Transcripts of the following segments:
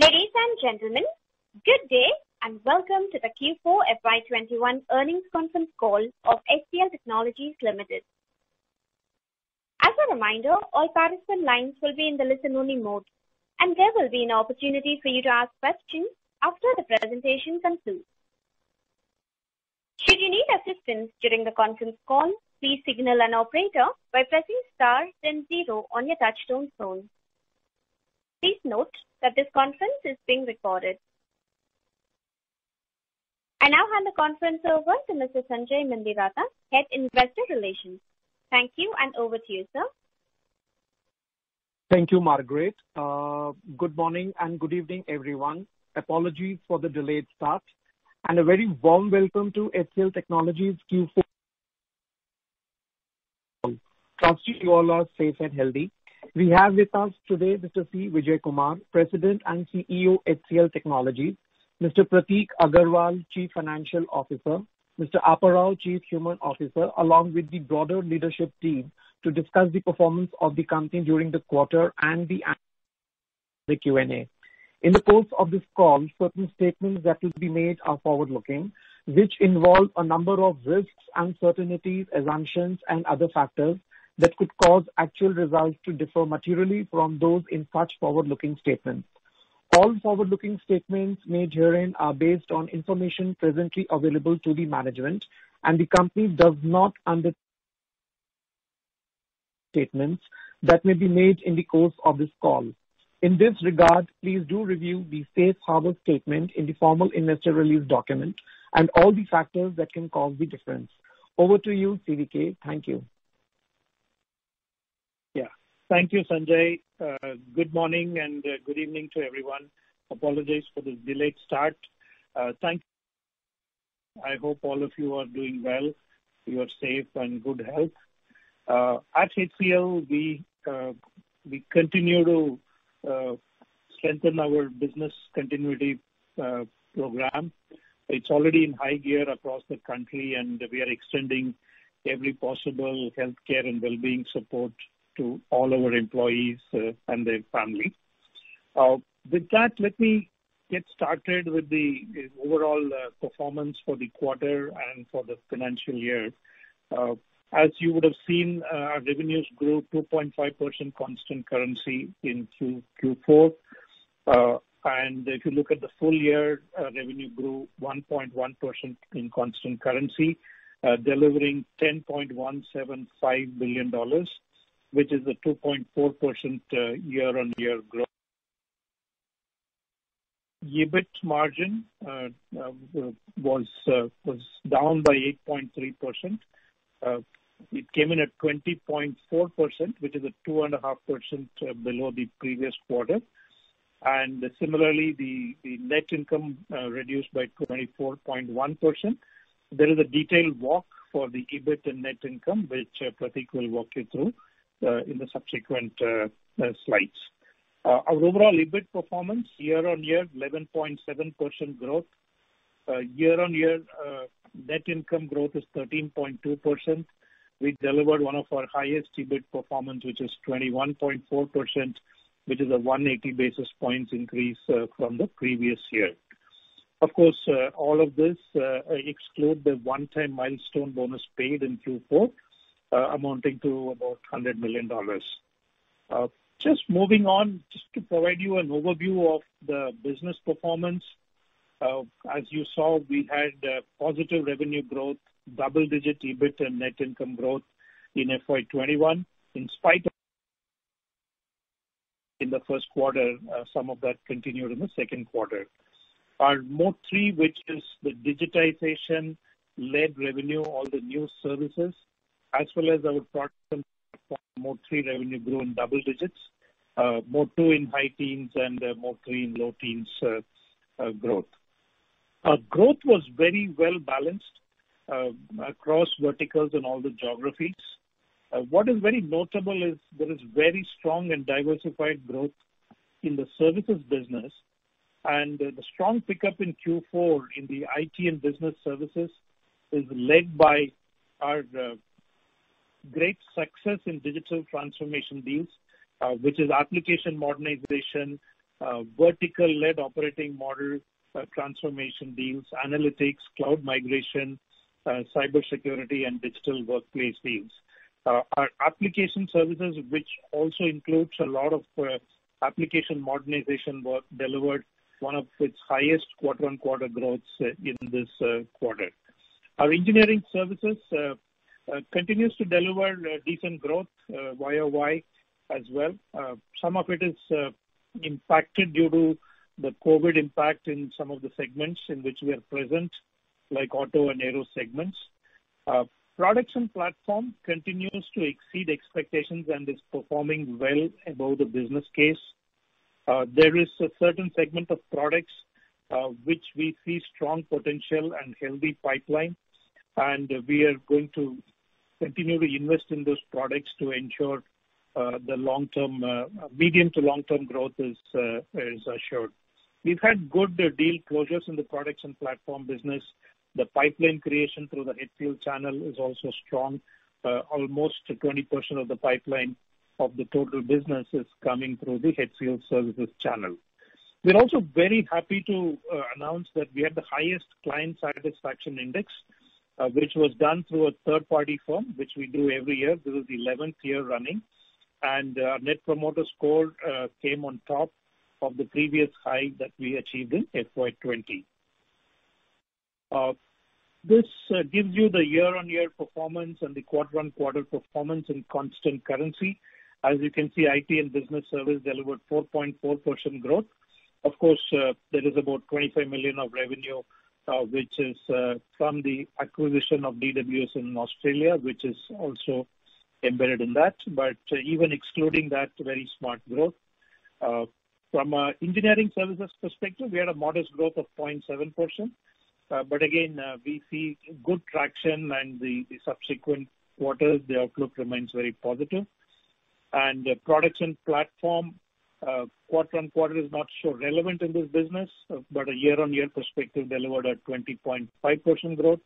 Ladies and gentlemen, good day, and welcome to the Q4 FY 2021 earnings conference call of HCL Technologies Limited. As a reminder, all participant lines will be in the listen-only mode, and there will be an opportunity for you to ask questions after the presentation concludes. Should you need assistance during the conference call, please signal an operator by pressing star then zero on your touchtone phone. Please note that this conference is being recorded. I now hand the conference over to Mr. Sanjay Mendiratta, Head of Investor Relations. Thank you, and over to you, sir. Thank you, Margaret. Good morning and good evening, everyone. Apologies for the delayed start. A very warm welcome to HCL Technologies Q4. Trust you all are safe and healthy. We have with us today Mr. C. Vijayakumar, President and CEO, HCL Technologies, Mr. Prateek Aggarwal, Chief Financial Officer, Mr. Appa Rao, Chief Human Resources Officer, along with the broader leadership team to discuss the performance of the company during the quarter and the Q&A. In the course of this call, certain statements that will be made are forward-looking, which involve a number of risks, uncertainties, assumptions, and other factors that could cause actual results to differ materially from those in such forward-looking statements. All forward-looking statements made herein are based on information presently available to the management, and the company does not understand statements that may be made in the course of this call. In this regard, please do review the safe harbor statement in the formal investor release document and all the factors that can cause the difference. Over to you, CVK. Thank you. Thank you, Sanjay. Good morning and good evening to everyone. Apologies for the delayed start. I hope all of you are doing well. You are safe and good health. At HCL, we continue to strengthen our business continuity program. It's already in high gear across the country, and we are extending every possible healthcare and wellbeing support to all our employees and their family. With that, let me get started with the overall performance for the quarter and for the financial year. As you would have seen, our revenues grew 2.5% constant currency in Q4. If you look at the full year, revenue grew 1.1% in constant currency, delivering $10.175 billion, which is a 2.4% year-on-year growth. EBIT margin was down by 8.3%. It came in at 20.4%, which is a 2.5% below the previous quarter. Similarly, the net income reduced by 24.1%. There is a detailed walk for the EBIT and net income, which Prateek will walk you through in the subsequent slides. Our overall EBIT performance year-on-year, 11.7% growth. Year-on-year net income growth is 13.2%. We delivered one of our highest EBIT performance, which is 21.4%, which is a 180 basis points increase from the previous year. Of course, all of this exclude the one-time milestone bonus paid in Q4, amounting to about $100 million. Just moving on, just to provide you an overview of the business performance. As you saw, we had a positive revenue growth, double-digit EBIT and net income growth in FY 2021. In the first quarter, some of that continued in the second quarter. Our Mode 3, which is the digitization-led revenue, all the new services, as well as our products from Mode 3 revenue grew in double digits. Mode 2 in high teens and Mode 3 in low teens growth. Our growth was very well-balanced across verticals and all the geographies. What is very notable is there is very strong and diversified growth in the services business. The strong pickup in Q4 in the IT and Business Services is led by our great success in digital transformation deals, which is application modernization, vertical-led operating model transformation deals, analytics, cloud migration, cybersecurity, and digital workplace deals. Our application services, which also includes a lot of application modernization work, delivered one of its highest quarter-on-quarter growths in this quarter. Our engineering services continues to deliver decent growth YoY as well. Some of it is impacted due to the COVID impact in some of the segments in which we are present, like auto and aero segments. Products & Platforms continues to exceed expectations and is performing well above the business case. There is a certain segment of products which we see strong potential and healthy pipeline, and we are going to continually invest in those products to ensure the medium to long-term growth is assured. We've had good deal closures in the Products & Platforms business. The pipeline creation through the HCL channel is also strong. Almost 20% of the pipeline of the total business is coming through the HCL services channel. We're also very happy to announce that we had the highest client satisfaction index, which was done through a third-party firm, which we do every year. This is the 11th year running. Net Promoter Score came on top of the previous high that we achieved in FY 2020. This gives you the year-on-year performance and the quarter-on-quarter performance in constant currency. As you can see, IT and Business Services delivered 4.4% growth. Of course, there is about $25 million of revenue, which is from the acquisition of DWS in Australia, which is also embedded in that. Even excluding that, very smart growth. From a Engineering Services perspective, we had a modest growth of 0.7%. Again, we see good traction in the subsequent quarters. The outlook remains very positive. Products and Platforms, quarter-on-quarter is not so relevant in this business. A year-on-year perspective delivered a 20.5% growth.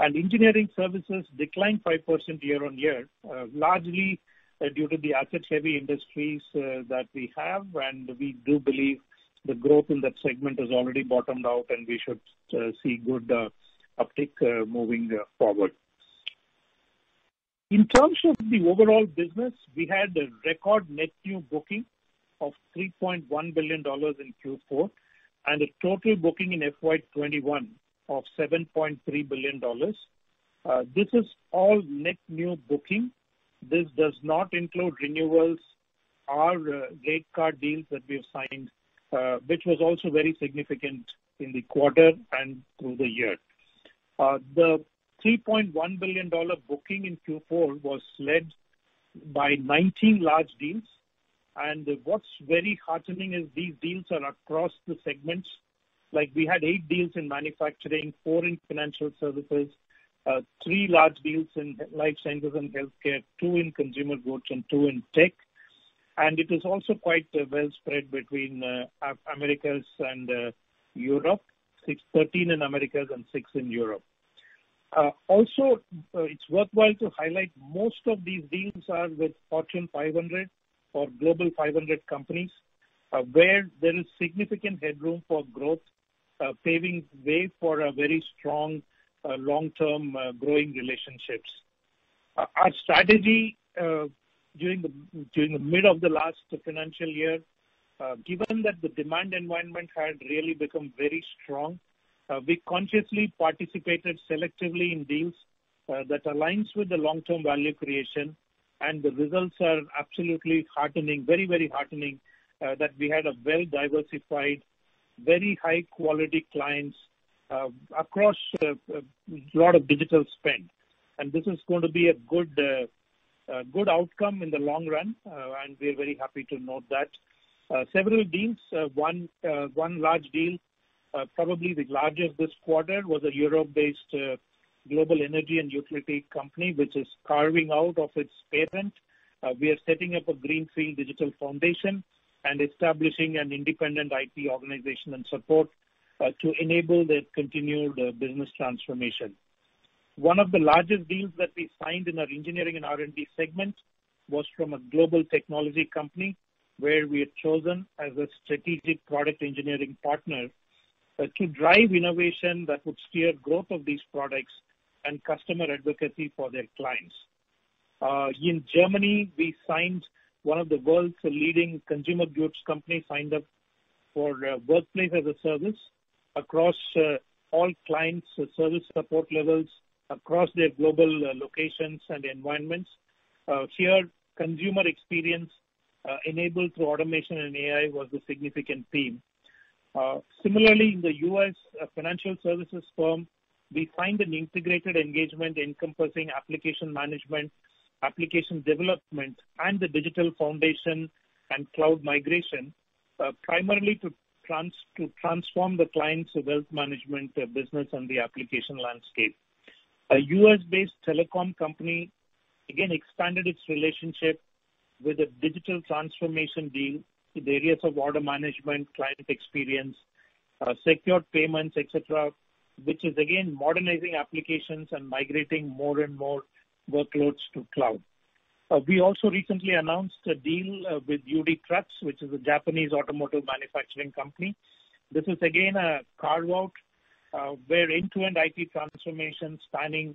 Engineering services declined 5% year-on-year, largely due to the asset-heavy industries that we have. We do believe the growth in that segment has already bottomed out, and we should see good uptick, moving forward. In terms of the overall business, we had a record net new booking of $3.1 billion in Q4, and a total booking in FY 2021 of $7.3 billion. This is all net new booking. This does not include renewals or rate card deals that we have signed, which was also very significant in the quarter and through the year. The $3.1 billion booking in Q4 was led by 19 large deals. What's very heartening is these deals are across the segments. We had eight deals in manufacturing, four in financial services, three large deals in life sciences and healthcare, two in consumer goods, and two in tech. It is also quite well spread between Americas and Europe, 13 in Americas and six in Europe. It's worthwhile to highlight, most of these deals are with Fortune 500 or Global 500 companies, where there is significant headroom for growth, paving way for a very strong, long-term, growing relationships. Our strategy, during the mid of the last financial year, given that the demand environment had really become very strong, we consciously participated selectively in deals that aligns with the long-term value creation. The results are absolutely heartening, that we had a well-diversified, very high-quality clients across a lot of digital spend. This is going to be a good outcome in the long run. We are very happy to note that. Several deals, one large deal, probably the largest this quarter, was a Europe-based global energy and utility company, which is carving out of its parent. We are setting up a greenfield digital foundation and establishing an independent IP organization and support to enable their continued business transformation. One of the largest deals that we signed in our Engineering and R&D segment was from a global technology company where we are chosen as a strategic product engineering partner to drive innovation that would steer growth of these products and customer advocacy for their clients. In Germany, we signed one of the world's leading consumer goods company, signed up for Workplace as a Service across all clients service support levels, across their global locations and environments. Here, consumer experience, enabled through automation and AI, was a significant theme. Similarly, in the U.S., a financial services firm, we signed an integrated engagement encompassing application management, application development, and the digital foundation and cloud migration, primarily to transform the client's wealth management business and the application landscape. A U.S. based telecom company, again expanded its relationship with a digital transformation deal in the areas of order management, client experience, secured payments, et cetera, which is again modernizing applications and migrating more and more workloads to cloud. We also recently announced a deal with UD Trucks, which is a Japanese automotive manufacturing company. This is again a carve-out, where end-to-end IT transformation spanning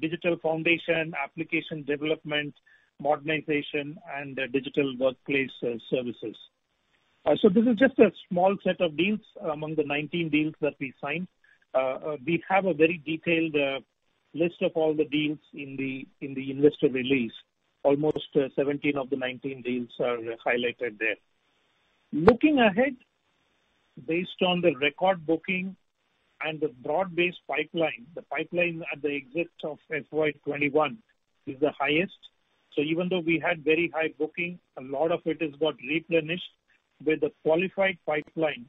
digital foundation, application development, modernization, and digital workplace services. This is just a small set of deals among the 19 deals that we signed. We have a very detailed list of all the deals in the investor release. Almost 17 of the 19 deals are highlighted there. Looking ahead, based on the record booking and the broad-based pipeline, the pipeline at the exit of FY 2021 is the highest. Even though we had very high booking, a lot of it has got replenished with a qualified pipeline,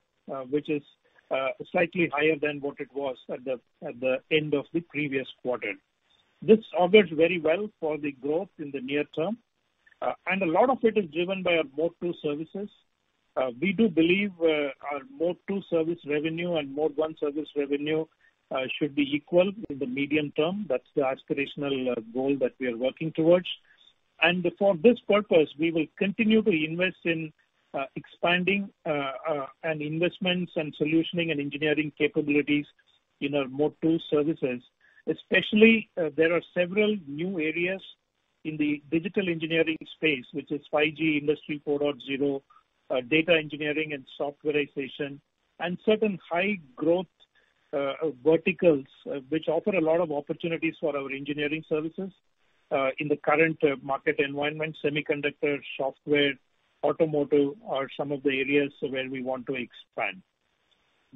which is slightly higher than what it was at the end of the previous quarter. This augurs very well for the growth in the near term. A lot of it is driven by our Mode 2 services. We do believe our Mode 2 service revenue and Mode 1 service revenue should be equal in the medium term. That's the aspirational goal that we are working towards. For this purpose, we will continue to invest in expanding and investments and solutioning and engineering capabilities in our Mode 2 services. Especially, there are several new areas in the digital engineering space, which is 5G, Industry 4.0, data engineering and softwarization, and certain high growth verticals, which offer a lot of opportunities for our engineering services. In the current market environment, semiconductor, software, automotive are some of the areas where we want to expand.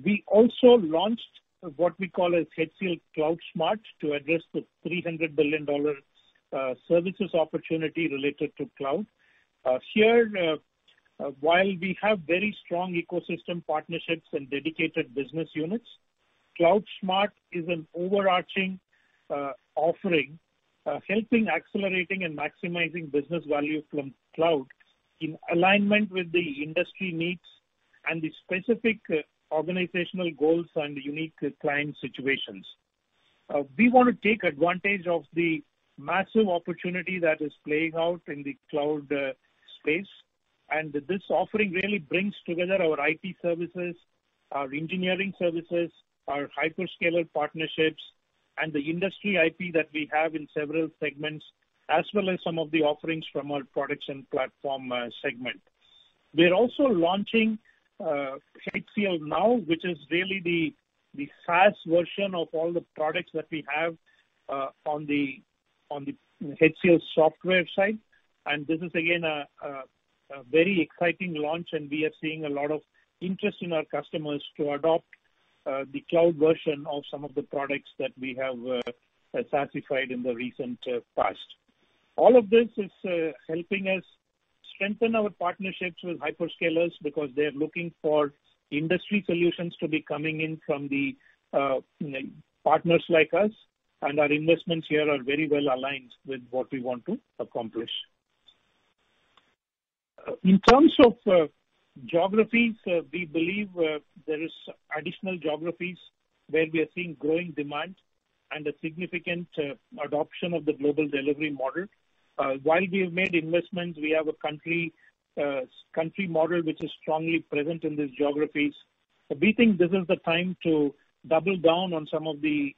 We also launched what we call as HCL CloudSMART to address the INR 300 billion services opportunity related to cloud. Here, while we have very strong ecosystem partnerships and dedicated business units, CloudSMART is an overarching offering, helping accelerating and maximizing business value from cloud in alignment with the industry needs and the specific organizational goals and unique client situations. We want to take advantage of the massive opportunity that is playing out in the cloud space, and this offering really brings together our IT services, our engineering services, our hyperscaler partnerships, and the industry IP that we have in several segments, as well as some of the offerings from our Products & Platforms segment. We are also launching HCL Now, which is really the SaaS version of all the products that we have on the HCLSoftware side, and this is again a very exciting launch, and we are seeing a lot of interest in our customers to adopt the cloud version of some of the products that we have SaaSified in the recent past. All of this is helping us strengthen our partnerships with hyperscalers because they're looking for industry solutions to be coming in from the partners like us, and our investments here are very well aligned with what we want to accomplish. In terms of geographies, we believe there are additional geographies where we are seeing growing demand and a significant adoption of the global delivery model. While we have made investments, we have a country model which is strongly present in these geographies. We think this is the time to double down on some of the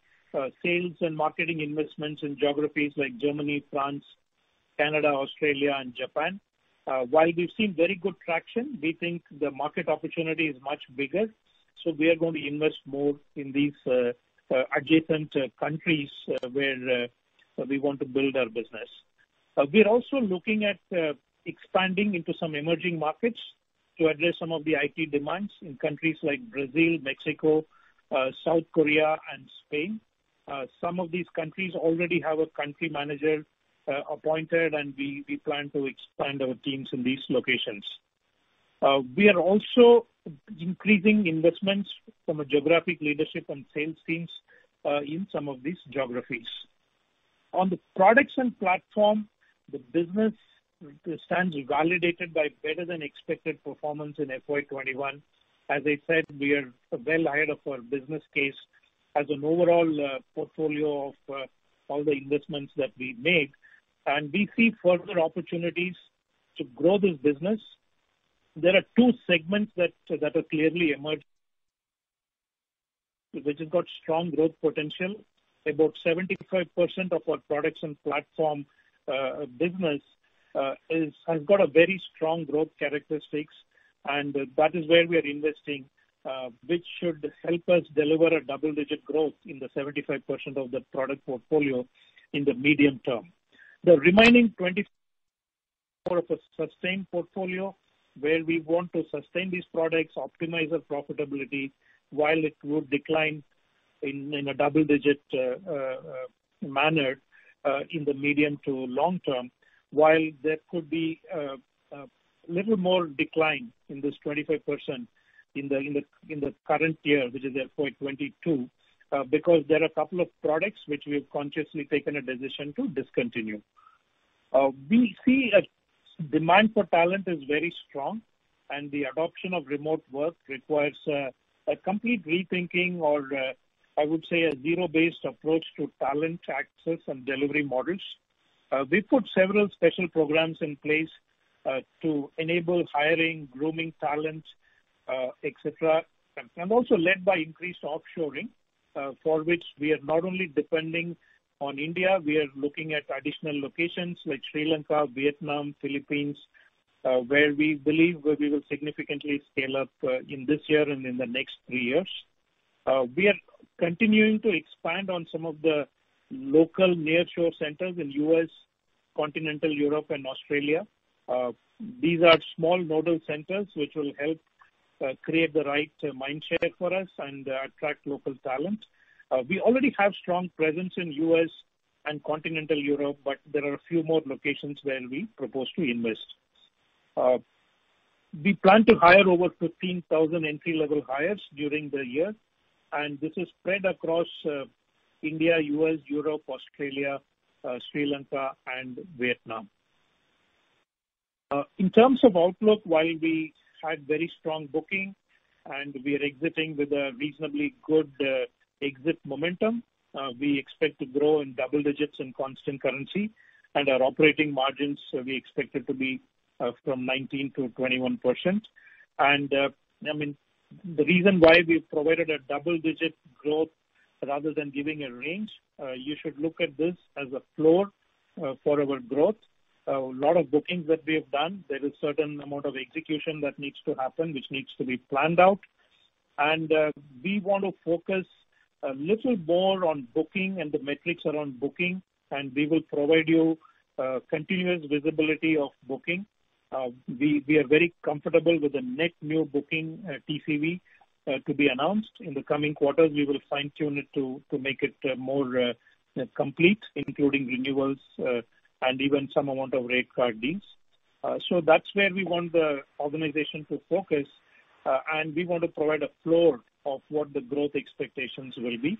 sales and marketing investments in geographies like Germany, France, Canada, Australia, and Japan. While we've seen very good traction, we think the market opportunity is much bigger, so we are going to invest more in these adjacent countries where we want to build our business. We're also looking at expanding into some emerging markets to address some of the IT demands in countries like Brazil, Mexico, South Korea, and Spain. Some of these countries already have a country manager appointed, and we plan to expand our teams in these locations. We are also increasing investments from a geographic leadership and sales teams in some of these geographies. On the Products and Platforms, the business stands validated by better than expected performance in FY 2021. As I said, we are well ahead of our business case as an overall portfolio of all the investments that we made, and we see further opportunities to grow this business. There are two segments that have clearly emerged, which have got strong growth potential. About 75% of our Products & Platforms business has got a very strong growth characteristics, and that is where we are investing, which should help us deliver a double-digit growth in the 75% of the product portfolio in the medium term. The remaining for a sustained portfolio, where we want to sustain these products, optimize our profitability while it would decline in a double-digit manner, in the medium to long term. While there could be a little more decline in this 25% in the current year, which is FY 2022, because there are a couple of products which we've consciously taken a decision to discontinue. We see a demand for talent is very strong, and the adoption of remote work requires a complete rethinking or, I would say, a zero-based approach to talent access and delivery models. We put several special programs in place, to enable hiring, grooming talent, et cetera, and also led by increased offshoring, for which we are not only depending on India. We are looking at additional locations like Sri Lanka, Vietnam, Philippines, where we believe we will significantly scale up in this year and in the next three years. We are continuing to expand on some of the local nearshore centers in U.S., continental Europe, and Australia. These are small nodal centers which will help create the right mind share for us and attract local talent. We already have strong presence in U.S. and continental Europe, but there are a few more locations where we plan to hire over 15,000 entry-level hires during the year, and this is spread across India, U.S., Europe, Australia, Sri Lanka and Vietnam. In terms of outlook, while we had very strong booking and we are exiting with a reasonably good exit momentum, we expect to grow in double digits in constant currency and our operating margins, we expect it to be from 19%-21%. The reason why we've provided a double-digit growth rather than giving a range, you should look at this as a floor for our growth. A lot of bookings that we have done, there is certain amount of execution that needs to happen, which needs to be planned out. We want to focus a little more on booking and the metrics around booking, and we will provide you continuous visibility of booking. We are very comfortable with the net new booking TCV to be announced. In the coming quarters, we will fine-tune it to make it more complete, including renewals, and even some amount of rate card deals. That's where we want the organization to focus, and we want to provide a floor of what the growth expectations will be.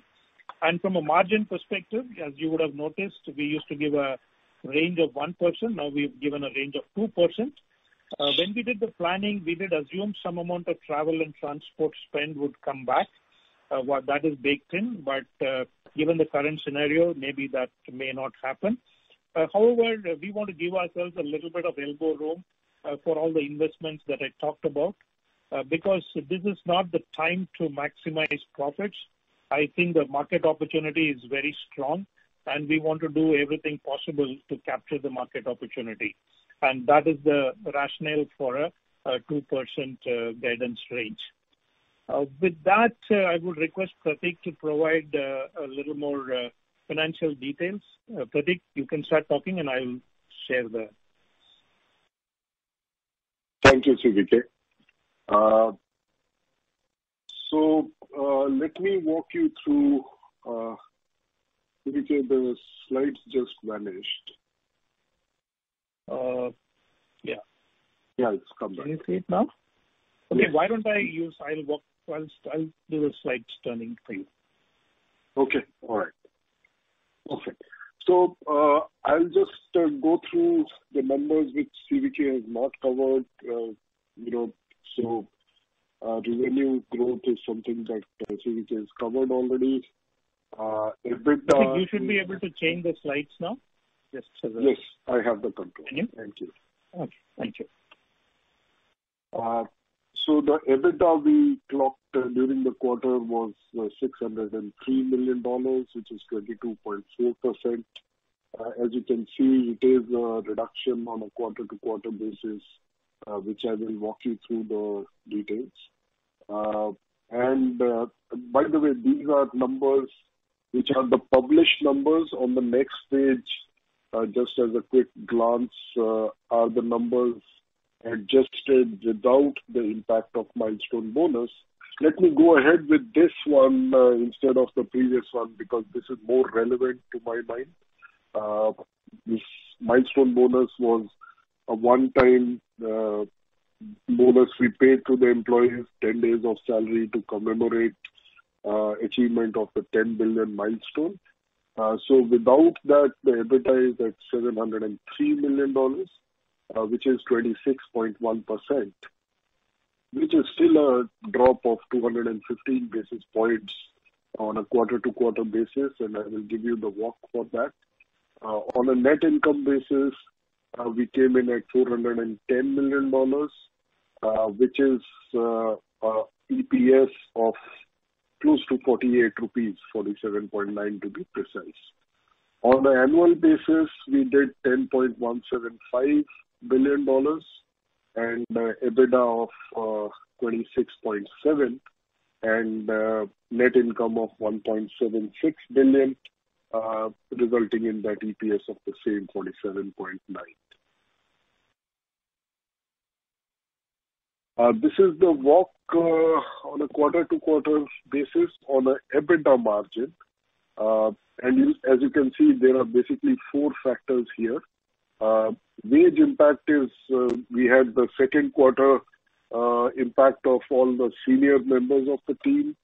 From a margin perspective, as you would have noticed, we used to give a range of 1%, now we've given a range of 2%. When we did the planning, we did assume some amount of travel and transport spend would come back. That is baked in, but given the current scenario, maybe that may not happen. However, we want to give ourselves a little bit of elbow room for all the investments that I talked about, because this is not the time to maximize profits. I think the market opportunity is very strong, we want to do everything possible to capture the market opportunity. That is the rationale for a 2% guidance range. With that, I would request Prateek to provide a little more financial details. Prateek, you can start talking and I'll share the. Thank you, CVK. Let me walk you through CVK, the slides just vanished. Yeah. Yeah, it's come back. Can you see it now? Okay. Why don't I use I'll do the slides turning thing. Okay. All right. Perfect. I'll just go through the numbers which CVK has not covered. Revenue growth is something that CVK has covered already. Prateek, you should be able to change the slides now. Yes. I have the control. Can you? Thank you. Okay. Thank you. The EBITDA we clocked during the quarter was $603 million, which is 22.4%. As you can see, it is a reduction on a quarter-to-quarter basis, which I will walk you through the details. By the way, these are numbers which are the published numbers. On the next page, just as a quick glance, are the numbers adjusted without the impact of milestone bonus. Let me go ahead with this one, instead of the previous one, because this is more relevant to my mind. This milestone bonus was a one-time bonus we paid to the employees, 10 days of salary to commemorate achievement of the $10 billion milestone. Without that, the EBITDA is at $703 million, which is 26.1%, which is still a drop of 215 basis points on a quarter-to-quarter basis, and I will give you the walk for that. On a net income basis, we came in at $410 million, which is EPS of close to 48 rupees, 47.9 to be precise. On an annual basis, we did $10.175 billion and EBITDA of 26.7% and net income of $1.76 billion, resulting in that EPS of the same 47.9. This is the walk on a quarter-to-quarter basis on EBITDA margin. As you can see, there are basically four factors here. Wage impact, we had the second quarter impact of all the senior members of the team,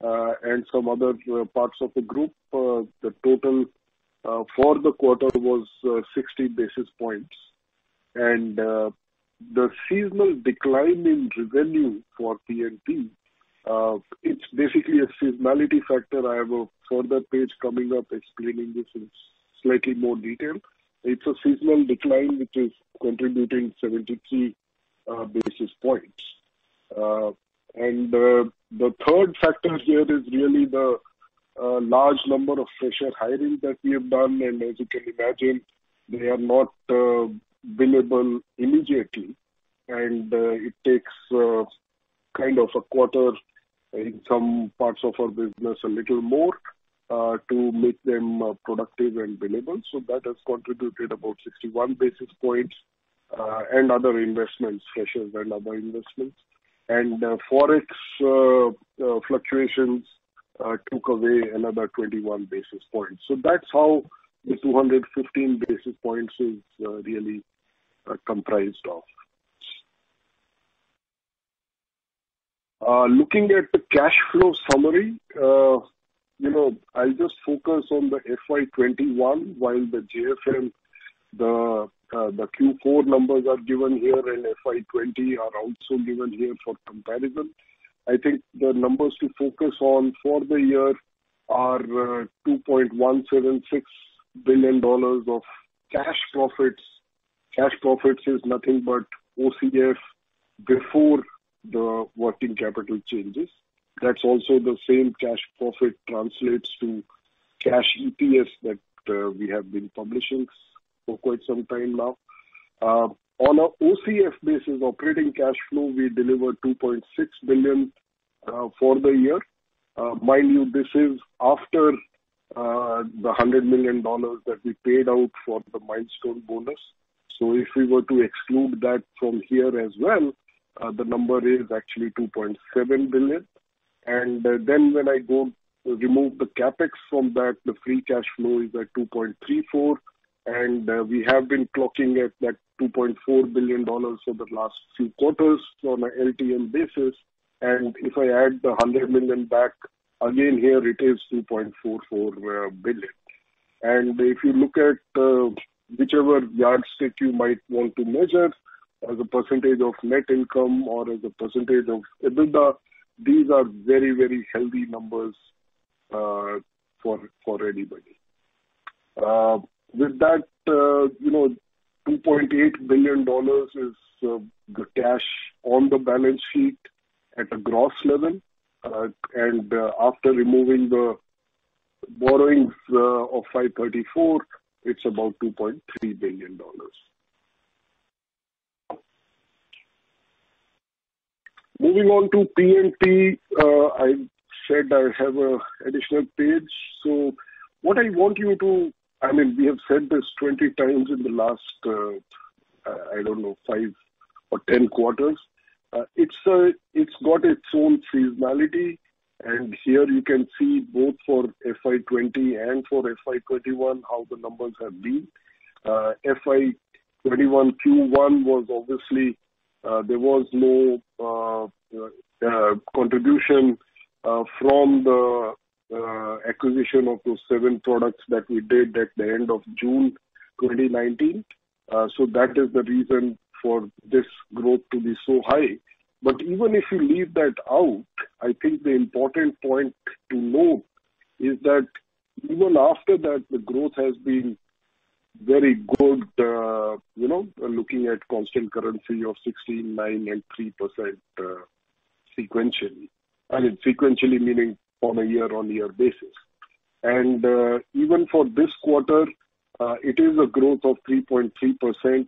and some other parts of the group. The total for the quarter was 60 basis points. The seasonal decline in revenue for P&P, it's basically a seasonality factor. I have a further page coming up explaining this in slightly more detail. It's a seasonal decline which is contributing 73 basis points. The third factor here is really the large number of fresher hiring that we have done. As you can imagine, they are not billable immediately. It takes kind of a quarter in some parts of our business, a little more, to make them productive and billable. That has contributed about 61 basis points, and other investments, freshers and other investments. Forex fluctuations took away another 21 basis points. That's how the 215 basis points is really comprised of. Looking at the cash flow summary, I'll just focus on the FY 2021 while the JFM, the Q4 numbers are given here and FY 2020 are also given here for comparison. I think the numbers to focus on for the year are $2.176 billion of cash profits. Cash profits is nothing but OCF before the working capital changes. That's also the same cash profit translates to cash EPS that we have been publishing for quite some time now. On a OCF basis, operating cash flow, we delivered $2.6 billion for the year. Mind you, this is after the $100 million that we paid out for the milestone bonus. If we were to exclude that from here as well, the number is actually $2.7 billion. When I go remove the CapEx from that, the free cash flow is at $2.34 billion, and we have been clocking at that $2.4 billion for the last few quarters on a LTM basis. If I add the $100 million back again, here it is $2.44 billion. If you look at whichever yardstick you might want to measure as a percentage of net income or as a percentage of EBITDA, these are very healthy numbers for anybody. With that, INR 2.8 billion is the cash on the balance sheet at a gross level. After removing the borrowings of 534, it's about INR 2.3 billion. Moving on to P&P, I said I have an additional page. We have said this 20 times in the last, I don't know, five or 10 quarters. It's got its own seasonality. Here you can see both for FY 2020 and for FY 2021, how the numbers have been. FY 2021 Q1 was obviously there was no contribution from the acquisition of those seven products that we did at the end of June 2019. That is the reason for this growth to be so high. Even if you leave that out, I think the important point to note is that even after that, the growth has been very good. Looking at constant currency of 16%, 9%, and 3% sequentially. Sequentially meaning on a year-on-year basis. Even for this quarter, it is a growth of 3.3%,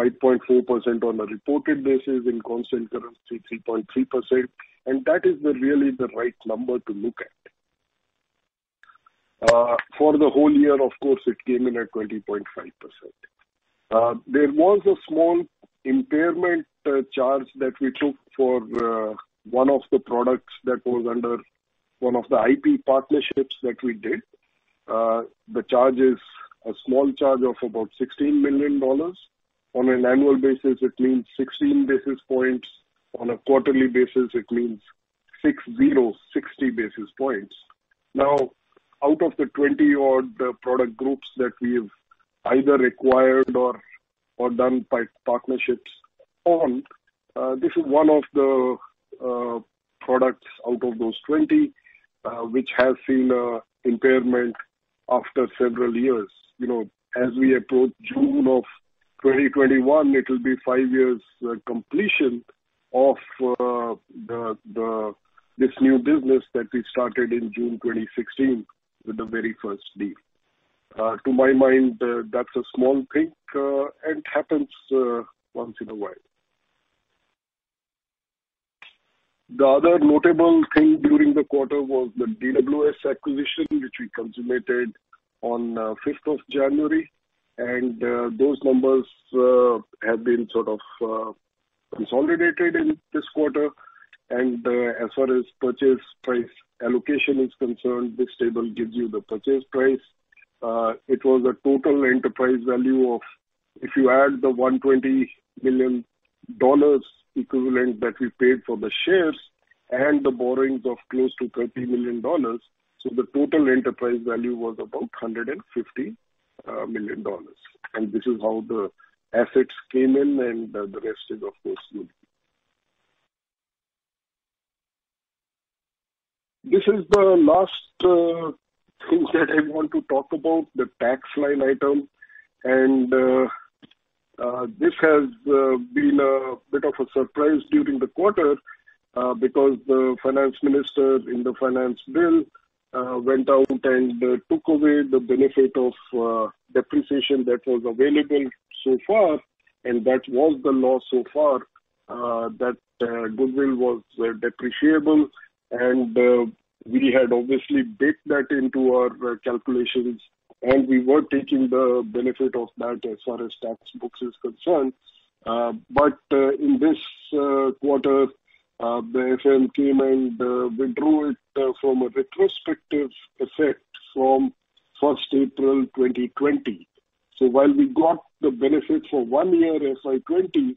5.4% on a reported basis in constant currency, 3.3%. That is really the right number to look at. For the whole year, of course, it came in at 20.5%. There was a small impairment charge that we took for one of the products that was under one of the IP partnerships that we did. The charge is a small charge of about $16 million. On an annual basis, it means 16 basis points. On a quarterly basis, it means 60 basis points. Out of the 20 odd product groups that we've either acquired or done partnerships on, this is one of the products out of those 20 which has seen impairment after several years. As we approach June of 2021, it will be five years completion of this new business that we started in June 2016 with the very first deal. To my mind, that's a small thing, and it happens once in a while. The other notable thing during the quarter was the DWS acquisition, which we consummated on 5th of January. Those numbers have been sort of consolidated in this quarter. As far as purchase price allocation is concerned, this table gives you the purchase price. It was a total enterprise value of, if you add the INR 120 million equivalent that we paid for the shares and the borrowings of close to INR 30 million. The total enterprise value was about $150 million. This is how the assets came in, and the rest is, of course, good. This is the last thing that I want to talk about, the tax line item. This has been a bit of a surprise during the quarter because the finance minister in the finance bill went out and took away the benefit of depreciation that was available so far, and that was the law so far that goodwill was depreciable. We had obviously baked that into our calculations, and we were taking the benefit of that as far as tax books is concerned. In this quarter, the FM came and withdrew it from a retrospective effect from 1st April 2020. While we got the benefit for one year, FY 2020,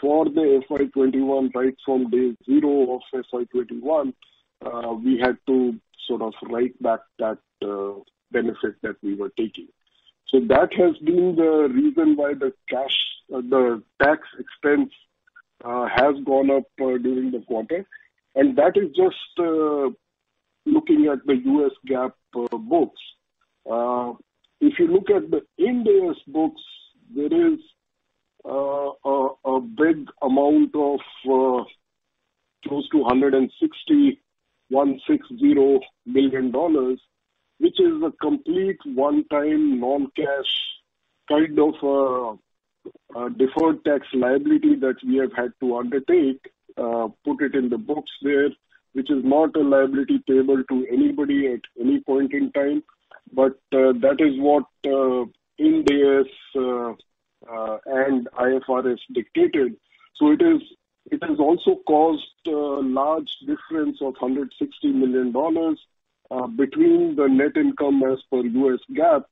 for the FY 2021, right from day zero of FY 2021, we had to sort of write back that benefit that we were taking. That has been the reason why the tax expense has gone up during the quarter. That is just looking at the US GAAP books. If you look at the Ind AS books, there is a big amount of close to $160 million, which is a complete one-time non-cash kind of deferred tax liability that we have had to undertake, put it in the books there, which is not a liability payable to anybody at any point in time. That is what Ind AS and IFRS dictated. It has also caused a large difference of $160 million between the net income as per US GAAP,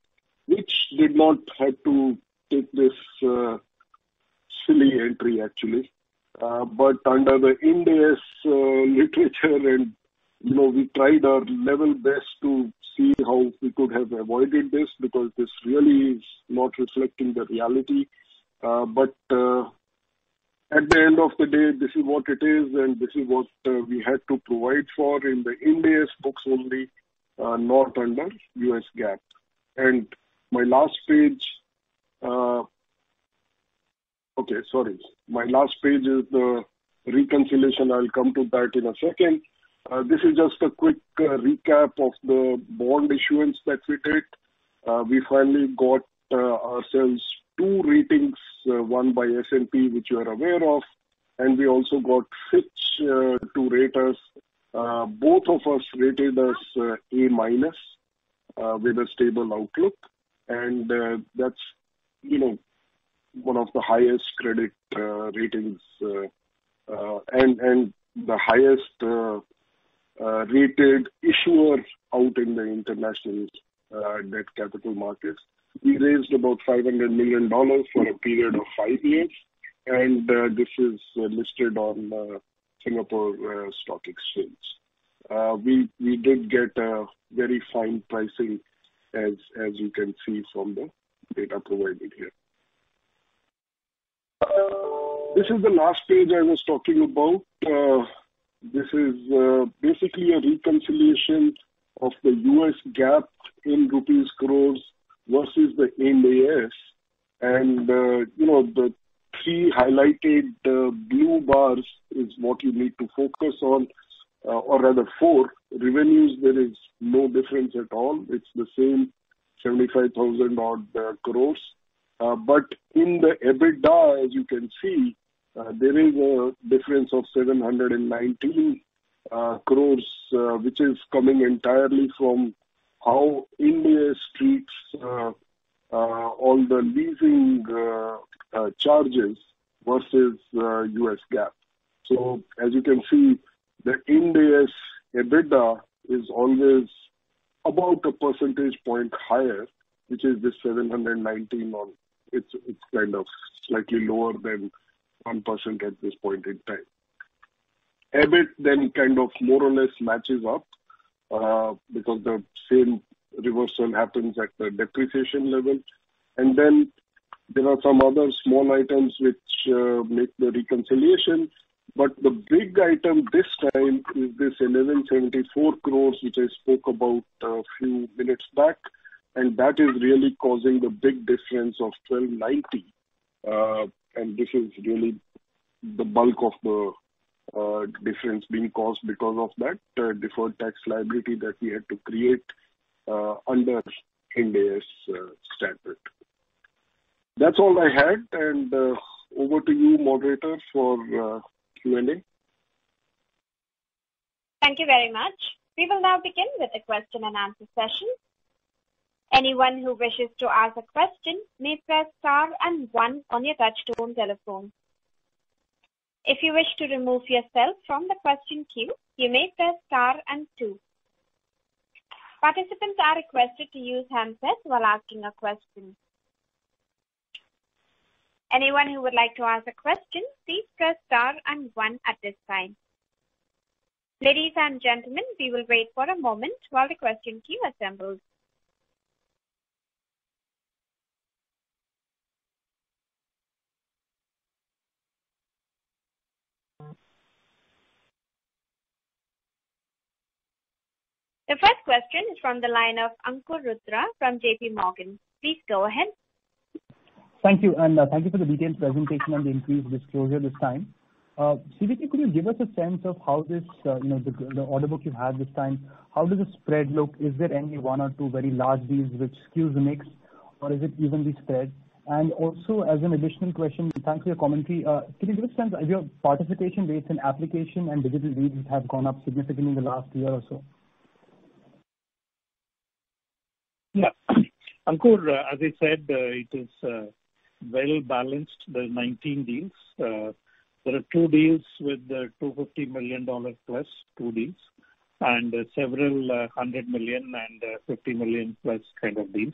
which did not have to take this silly entry actually. Under the Ind AS literature and we tried our level best to see how we could have avoided this, because this really is not reflecting the reality. At the end of the day, this is what it is, and this is what we had to provide for in the Ind AS books only, not under US GAAP. My last page. Okay, sorry. My last page is the reconciliation. I'll come to that in a second. This is just a quick recap of the bond issuance that we did. We finally got ourselves two ratings, one by S&P, which you are aware of, and we also got Fitch, two raters. Both of us rated us A- with a stable outlook, and that's one of the highest credit ratings and the highest-rated issuer out in the international debt capital markets. We raised about $500 million for a period of five years, and this is listed on Singapore Exchange. We did get a very fine pricing as you can see from the data provided here. This is the last page I was talking about. This is basically a reconciliation of the US GAAP in rupees crores versus the Ind AS. The three highlighted blue bars is what you need to focus on or rather four. Revenues, there is no difference at all. It's the same 75,000 odd crores. In the EBITDA, as you can see, there is a difference of 719 crores, which is coming entirely from how Ind AS treats all the leasing charges versus US GAAP. As you can see, the Ind AS EBITDA is always about a percentage point higher, which is this 719 odd. It's kind of slightly lower than 1% at this point in time. EBIT kind of more or less matches up because the same reversal happens at the depreciation level. There are some other small items which make the reconciliation. The big item this time is this INR 1,174 crores which I spoke about a few minutes back, and that is really causing the big difference of 1,290 crores. This is really the bulk of the difference being caused because of that deferred tax liability that we had to create under Ind AS standard. That's all I had, and over to you, moderator, for Q&A. Thank you very much. We will now begin with the question-and-answer session. Anyone who wishes to ask a question, please press star and one on your touch-tone telephone. If you wish to remove yourself from the question queue, you may press star and two. Participants are requested to use handsets while asking a question. Anyone who would like to ask a question, please press star and one at this time. Ladies and gentlemen, we will wait for a moment while the question queue assembles. The first question is from the line of Ankur Rudra from JPMorgan. Please go ahead. Thank you. Thank you for the detailed presentation and the increased disclosure this time. CVK, could you give us a sense of how this, the order book you have this time, how does the spread look? Is there any one or two very large deals which skews the mix, or is it evenly spread? Also as an additional question, thanks for your commentary. Can you give a sense of your participation rates in application and digital needs have gone up significantly in the last year or so? Ankur, as I said, it is well balanced, the 19 deals. There are two deals with $250 million plus, two deals, and several hundred million and 50 million plus kind of deals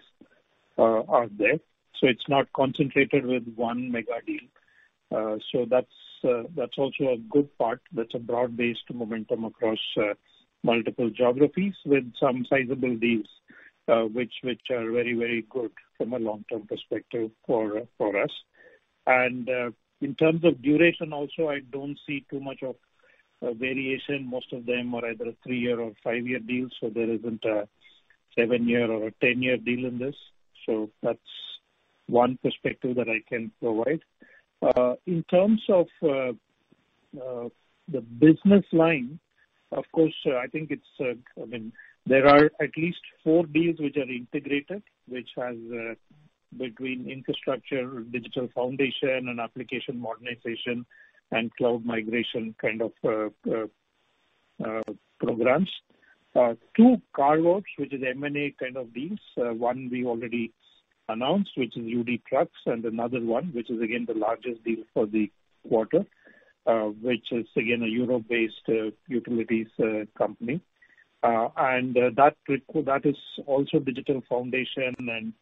are there. It's not concentrated with one mega deal. That's also a good part. That's a broad-based momentum across multiple geographies with some sizable deals, which are very good from a long-term perspective for us. In terms of duration also, I don't see too much of a variation. Most of them are either three-year or five-year deals, there isn't a seven-year or a 10-year deal in this. That's one perspective that I can provide. In terms of the business line, of course, there are at least four deals which are integrated, which has between infrastructure, digital foundation, and application modernization and cloud migration kind of programs. Two carve-outs, which is M&A kind of deals. One we already announced, which is UD Trucks, and another one, which is again the largest deal for the quarter, which is again a Europe-based utilities company. That is also digital foundation and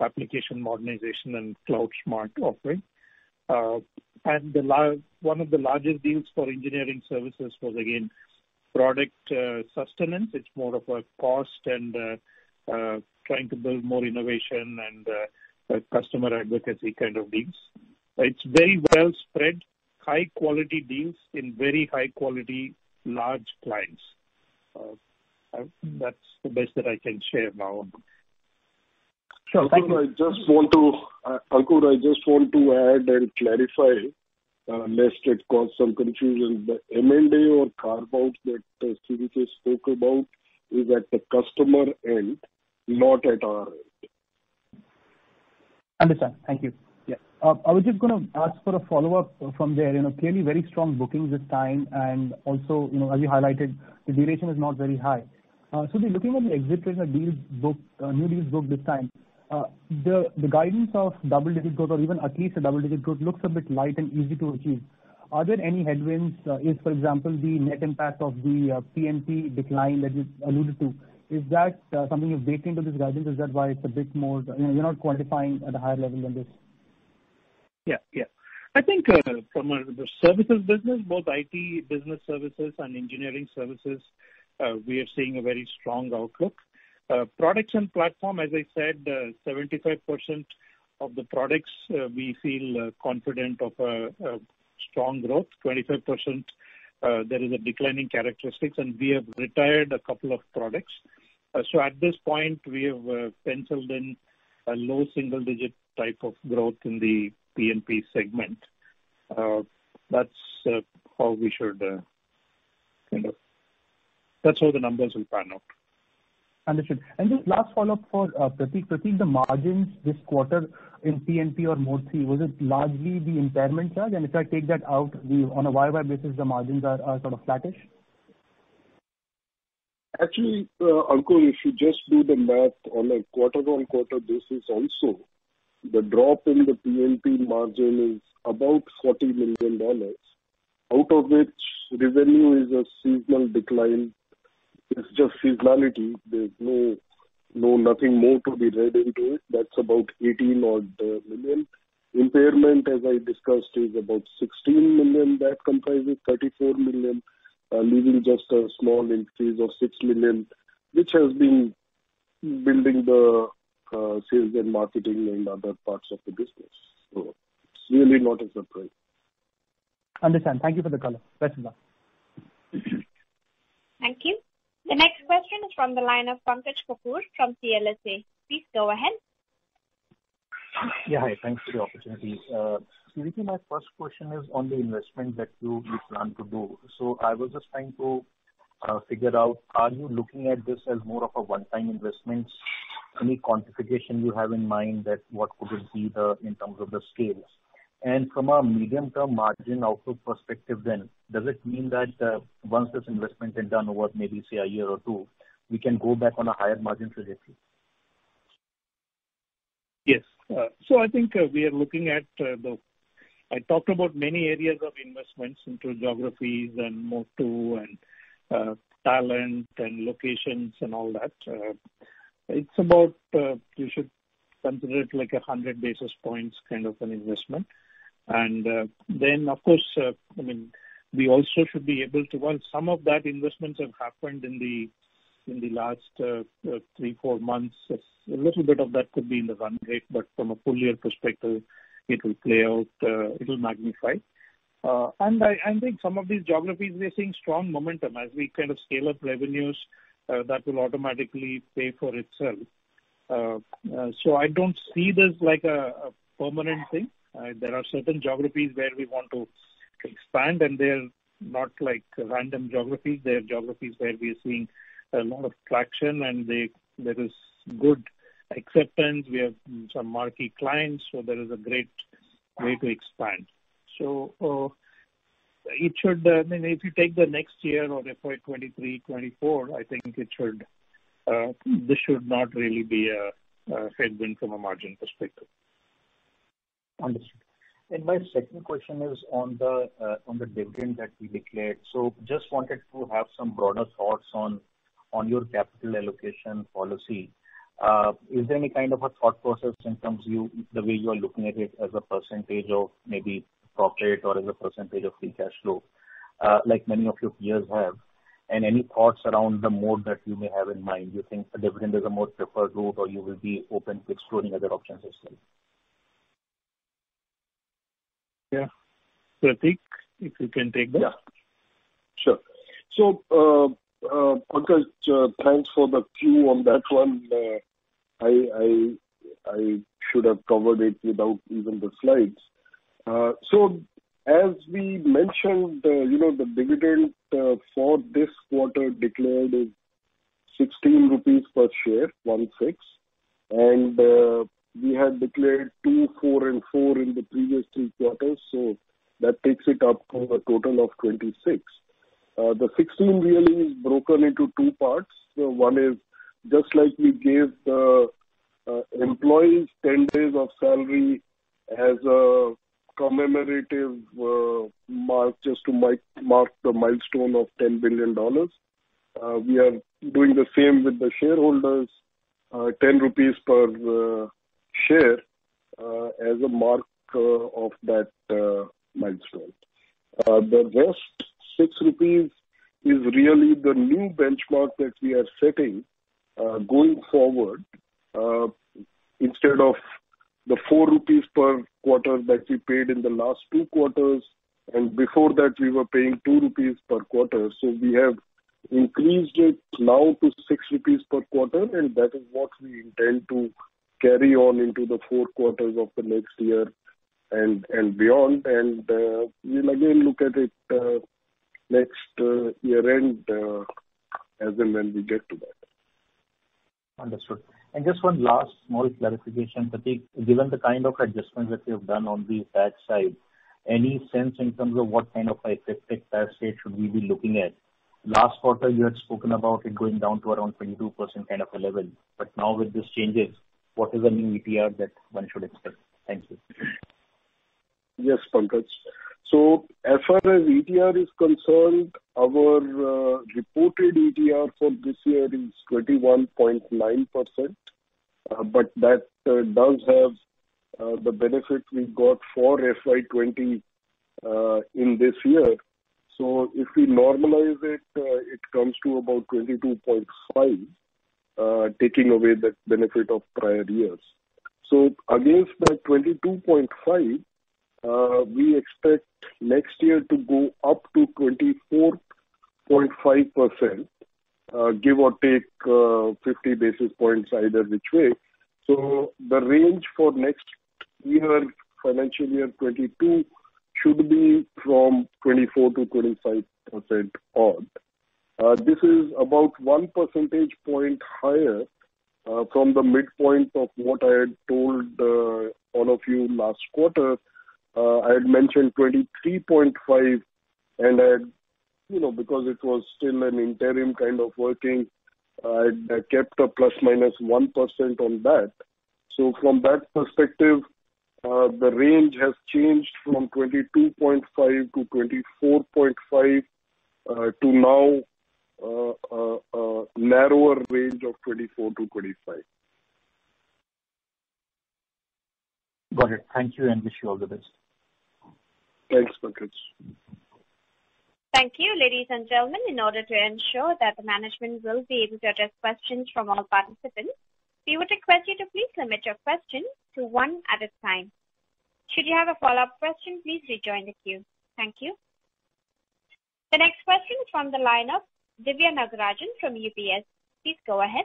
application modernization and CloudSMART offering. One of the largest deals for engineering services was, again, product sustenance. It's more of a cost and trying to build more innovation and customer advocacy kind of deals. It's very well-spread, high-quality deals in very high-quality large clients. That's the best that I can share now. Sure. Thank you. Ankur, I just want to add and clarify, lest it cause some confusion. The M&A or carve-out that Vijay spoke about is at the customer end, not at our end. Understood. Thank you. I was just going to ask for a follow-up from there. Clearly very strong bookings this time, also, as you highlighted, the duration is not very high. Looking at the exit rate of new deals booked this time, the guidance of double-digit growth or even at least a double-digit growth looks a bit light and easy to achieve. Are there any headwinds if, for example, the net impact of the P&P decline that you alluded to? Is that something you've baked into this guidance? Is that why you're not quantifying at a higher level than this? I think from the services business, both IT and Business Services and Engineering and R&D Services, we are seeing a very strong outlook. Products & Platforms, as I said, 75% of the products we feel confident of a strong growth. 25%, there is a decline in characteristics, and we have retired a couple of products. At this point, we have penciled in a low single-digit type of growth in the P&P segment. That's how the numbers will pan out. Understood. Just last follow-up for Prateek. Prateek, the margins this quarter in P&P or Mode 2, was it largely the impairment charge? If I take that out, on a YoY basis, the margins are sort of flattish? Actually, Ankur, if you just do the math on a quarter-on-quarter basis also, the drop in the P&P margin is about INR 40 million, out of which revenue is a seasonal decline. It's just seasonality. There's nothing more to be read into it. That's about INR 18 odd million. Impairment, as I discussed, is about 16 million. That comprises 34 million, leaving just a small increase of 6 million, which has been building the sales and marketing and other parts of the business. So it's really not a surprise. Understand. Thank you for the color. Best regards. Thank you. The next question is from the line of Pankaj Kapoor from CLSA. Please go ahead. Yeah. Hi. Thanks for the opportunity. Vijay, my first question is on the investment that you plan to do. I was just trying to figure out, are you looking at this as more of a one-time investment? Any quantification you have in mind that what could it be in terms of the scales? From a medium-term margin outlook perspective, then, does it mean that once this investment is done over maybe, say, a year or two, we can go back on a higher margin trajectory? Yes. I think I talked about many areas of investments into geographies and Mode 2 and talent and locations and all that. You should consider it like 100 basis points kind of an investment. Then, of course, some of that investments have happened in the last three, four months. A little bit of that could be in the run rate, but from a full-year perspective, it will play out, it will magnify. I think some of these geographies, we are seeing strong momentum. As we scale up revenues, that will automatically pay for itself. I don't see this like a permanent thing. There are certain geographies where we want to expand, and they're not random geographies. They're geographies where we are seeing a lot of traction, and there is good acceptance. We have some marquee clients, so there is a great way to expand. It should, if you take the next year or FY 2023, FY 2024, I think this should not really be a headwind from a margin perspective. Understood. My second question is on the dividend that we declared. Just wanted to have some broader thoughts on your capital allocation policy. Is there any kind of a thought process in terms of the way you are looking at it as a percentage of maybe profit or as a percentage of free cash flow like many of your peers have? Any thoughts around the mode that you may have in mind? You think a dividend is a more preferred route, or you will be open to exploring other options as well? Yeah. Prateek, if you can take that. Yeah. Sure. Pankaj, thanks for the cue on that one. I should have covered it without even the slides. As we mentioned, the dividend for this quarter declared is 16 rupees per share, 16, and we had declared two, four, and four in the previous three quarters. That takes it up to a total of 26. The 16 really is broken into two parts. One is just like we gave the employees 10 days of salary as a commemorative mark just to mark the milestone of $10 billion. We are doing the same with the shareholders, 10 rupees per share, as a mark of that milestone. The rest 6 rupees is really the new benchmark that we are setting going forward, instead of the 4 rupees per quarter that we paid in the last two quarters. Before that, we were paying 2 rupees per quarter. We have increased it now to 6 rupees per quarter. That is what we intend to carry on into the four quarters of the next year and beyond. We'll again look at it next year-end as and when we get to that. Understood. Just one last small clarification, Prateek. Given the kind of adjustments that you've done on the tax side, any sense in terms of what kind of a tax rate should we be looking at? Last quarter you had spoken about it going down to around 22% kind of a level. Now with these changes, what is the new ETR that one should expect? Thank you. Yes, Pankaj. As far as ETR is concerned, our reported ETR for this year is 21.9%, but that does have the benefit we got for FY 2020 in this year. If we normalize it comes to about 22.5%, taking away that benefit of prior years. Against that 22.5%, we expect next year to go up to 24.5%, give or take 50 basis points either which way. The range for next year, financial year FY 2022, should be from 24%-25% odd. This is about one percentage point higher from the midpoint of what I had told all of you last quarter. I had mentioned 23.5% and because it was still an interim kind of working, I kept a ±1% on that. From that perspective, the range has changed from 22.5%-24.5% to now a narrower range of 24%-25%. Got it. Thank you and wish you all the best. Thanks, Pankaj. Thank you. Ladies and gentlemen, in order to ensure that the management will be able to address questions from all participants, we would request you to please limit your question to one at a time. Should you have a follow-up question, please rejoin the queue. Thank you. The next question is from the line of Diviya Nagarajan from UBS. Please go ahead.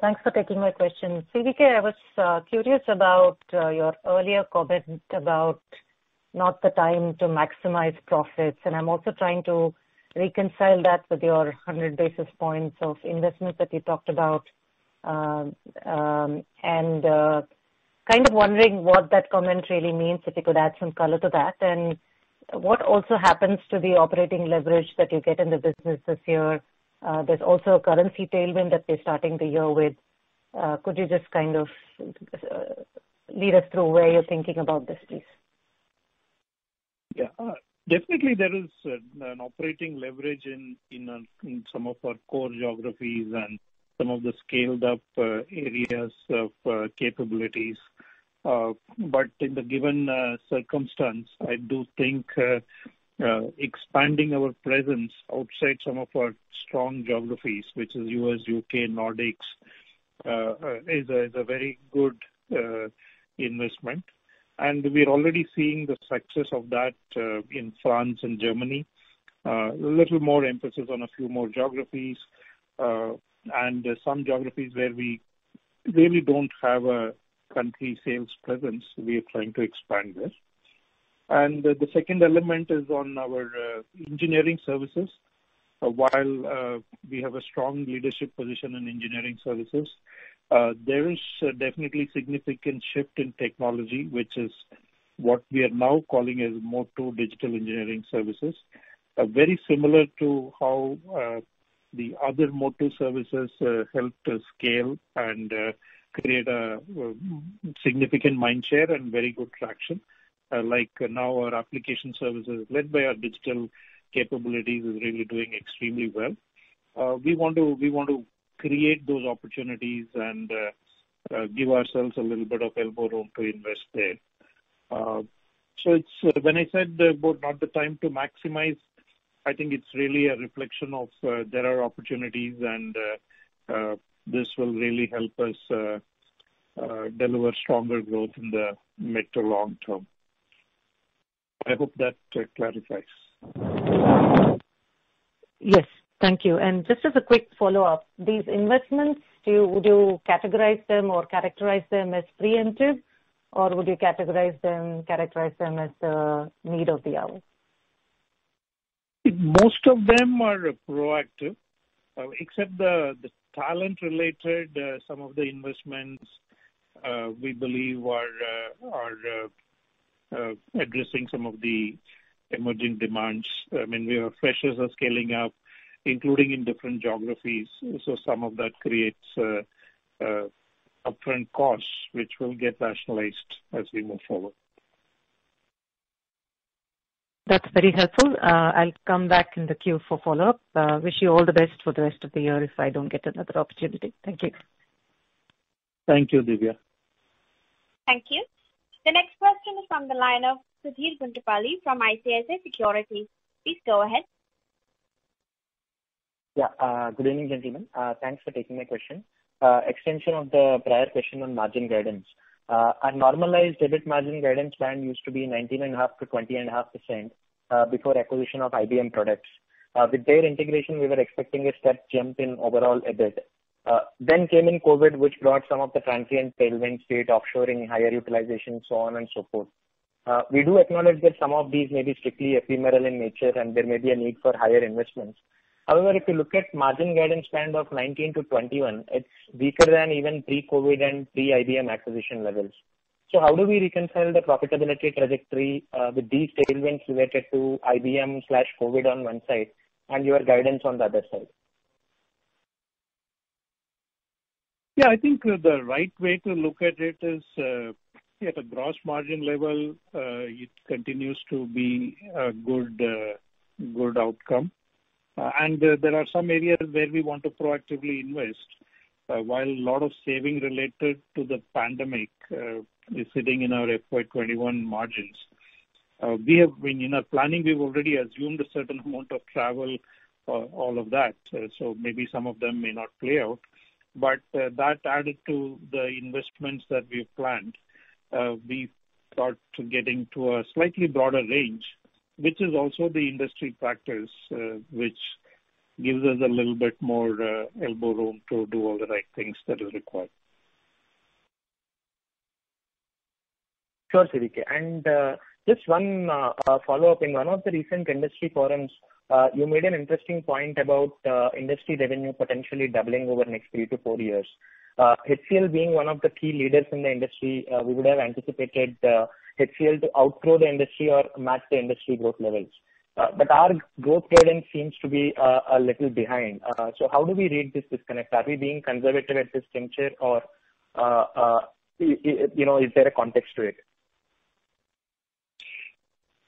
Thanks for taking my question. CVK, I was curious about your earlier comment about not the time to maximize profits, and I'm also trying to reconcile that with your 100 basis points of investment that you talked about. Kind of wondering what that comment really means, if you could add some color to that. What also happens to the operating leverage that you get in the business this year? There's also a currency tailwind that we're starting the year with. Could you just kind of lead us through where you're thinking about this, please? Yeah. Definitely there is an operating leverage in some of our core geographies and some of the scaled-up areas of capabilities. But in the given circumstance, I do think expanding our presence outside some of our strong geographies, which is U.S., U.K., Nordics, is a very good investment. We're already seeing the success of that in France and Germany. A little more emphasis on a few more geographies, and some geographies where we really don't have a country sales presence, we are trying to expand this. The second element is on our engineering services. While we have a strong leadership position in engineering services, there is definitely significant shift in technology, which is what we are now calling as Mode 2 digital engineering services. Very similar to how the other Mode 2 services helped us scale and create a significant mind share and very good traction. Like now our application services, led by our digital capabilities, is really doing extremely well. We want to create those opportunities and give ourselves a little bit of elbow room to invest there. When I said about not the time to maximize, I think it's really a reflection of there are opportunities, and this will really help us deliver stronger growth in the mid to long term. I hope that clarifies. Yes. Thank you. Just as a quick follow-up, these investments, would you categorize them or characterize them as preemptive, or would you characterize them as a need of the hour? Most of them are proactive. Except the talent-related, some of the investments we believe are addressing some of the emerging demands. I mean, we have freshers are scaling up, including in different geographies. Some of that creates upfront costs, which will get rationalized as we move forward. That's very helpful. I'll come back in the queue for follow-up. Wish you all the best for the rest of the year if I don't get another opportunity. Thank you. Thank you, Diviya. Thank you. The next question is from the line of Sudheer Guntupalli from ICICI Securities. Please go ahead. Good evening, gentlemen. Thanks for taking my question. Extension of the prior question on margin guidance. Our normalized EBIT margin guidance plan used to be 19.5%-20.5% before acquisition of IBM products. With their integration, we were expecting a step jump in overall EBIT. Came in COVID, which brought some of the transient tailwind state offshoring, higher utilization, so on and so forth. We do acknowledge that some of these may be strictly ephemeral in nature, and there may be a need for higher investments. However, if you look at margin guidance plan of 19%-21%, it's weaker than even pre-COVID and pre-IBM acquisition levels. How do we reconcile the profitability trajectory with these tailwinds related to IBM/COVID on one side and your guidance on the other side? Yeah, I think the right way to look at it is at a gross margin level, it continues to be a good outcome. There are some areas where we want to proactively invest. While a lot of saving related to the pandemic is sitting in our FY 2021 margins. In our planning, we've already assumed a certain amount of travel, all of that. Maybe some of them may not play out. That added to the investments that we've planned. We start getting to a slightly broader range, which is also the industry practice which gives us a little bit more elbow room to do all the right things that is required. Sure, CVK. Just one follow-up. In one of the recent industry forums, you made an interesting point about industry revenue potentially doubling over the next three to four years. HCL being one of the key leaders in the industry, we would have anticipated HCL to outgrow the industry or match the industry growth levels. Our growth guidance seems to be a little behind. How do we read this disconnect? Are we being conservative at this juncture or is there a context to it?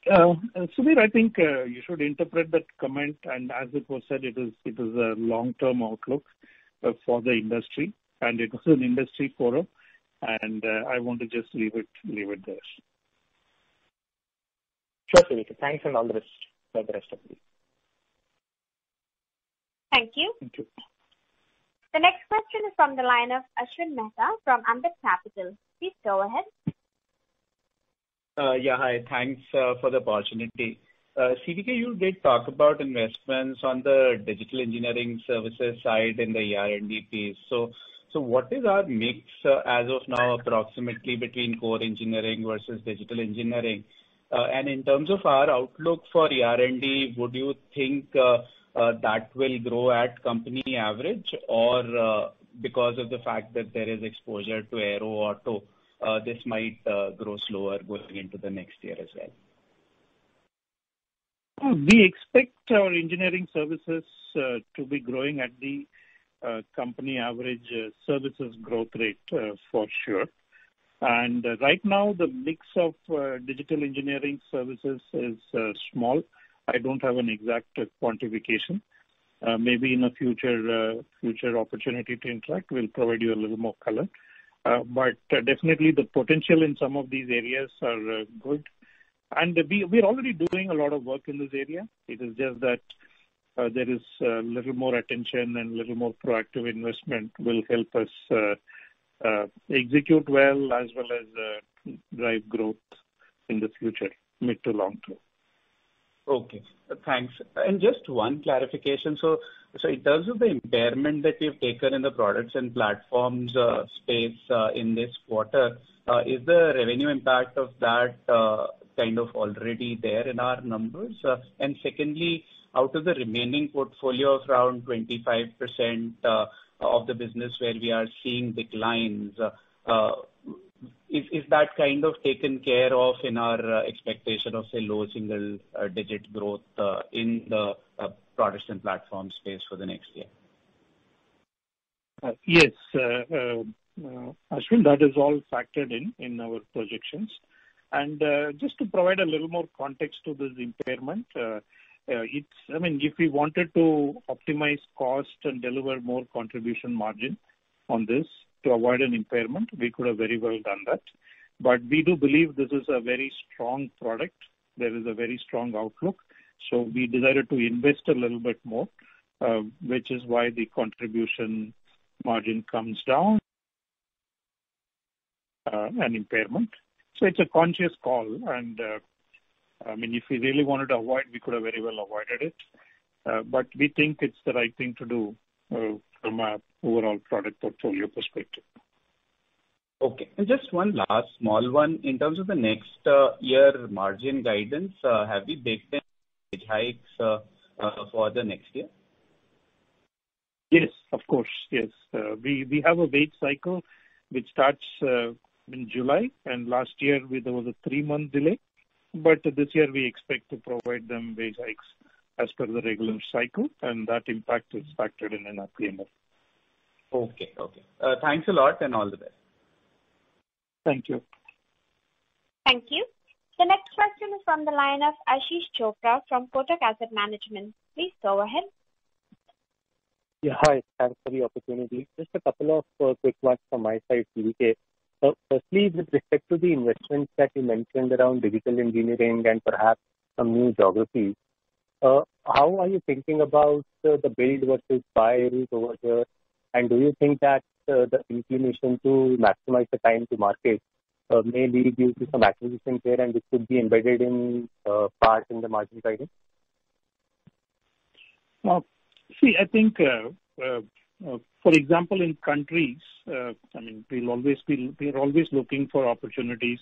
Sudheer, I think you should interpret that comment, and as it was said, it is a long-term outlook for the industry, and it was an industry forum, and I want to just leave it there. Sure, CVK. Thanks and all the best for the rest of you. Thank you. Thank you. The next question is from the line of Ashwin Mehta from Ambit Capital. Please go ahead. Yeah, hi. Thanks for the opportunity. CVK, you did talk about investments on the digital engineering services side in the ER&D piece. What is our mix as of now, approximately between core engineering versus digital engineering? In terms of our outlook for ER&D, would you think that will grow at company average or because of the fact that there is exposure to aero, auto this might grow slower going into the next year as well? We expect our engineering services to be growing at the company average services growth rate for sure. Right now, the mix of digital engineering services is small. I don't have an exact quantification. Maybe in a future opportunity to interact, we'll provide you a little more color. Definitely the potential in some of these areas are good. We're already doing a lot of work in this area. It is just that there is a little more attention and little more proactive investment will help us execute well as well as drive growth in the future, mid to long term. Okay, thanks. Just one clarification. In terms of the impairment that you've taken in the Products & Platforms space in this quarter, is the revenue impact of that kind of already there in our numbers? Secondly, out of the remaining portfolio of around 25% of the business where we are seeing declines, is that kind of taken care of in our expectation of, say, low single-digit growth in the Products & Platforms space for the next year? Yes. Ashwin, that is all factored in our projections. Just to provide a little more context to this impairment, if we wanted to optimize cost and deliver more contribution margin on this to avoid an impairment, we could have very well done that. We do believe this is a very strong product. There is a very strong outlook. We decided to invest a little bit more, which is why the contribution margin comes down, and impairment. It's a conscious call and if we really wanted to avoid, we could have very well avoided it. We think it's the right thing to do from a overall product portfolio perspective. Okay. Just one last small one. In terms of the next year margin guidance, have we baked in wage hikes for the next year? Yes, of course. Yes. We have a wage cycle which starts in July, and last year there was a three-month delay. This year we expect to provide them wage hikes as per the regular cycle, and that impact is factored in in our P&L. Okay. Thanks a lot. All the best. Thank you. Thank you. The next question is from the line of Ashish Chopra from Kotak Asset Management. Please go ahead. Yeah. Hi. Thanks for the opportunity. Just a couple of quick ones from my side, CVK. Firstly, with respect to the investments that you mentioned around digital engineering and perhaps some new geographies, how are you thinking about the build versus buy route over here? Do you think that the inclination to maximize the time to market may lead you to some acquisitions there and this could be embedded in part in the margin guidance? See, I think, for example, in countries, we're always looking for opportunities